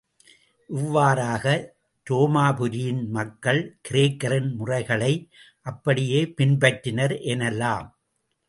இவ்வாறாக உரோமாபுரியின் மக்கள் கிரேக்கரின் முறைகளை அப்படியே பின்பற்றினர் என்னலாம்.